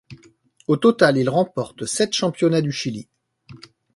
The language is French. Au total, il remporte sept Championnats du Chili.